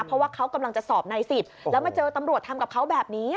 เพราะว่าเขากำลังจะสอบใน๑๐แล้วมาเจอตำรวจทำกับเขาแบบนี้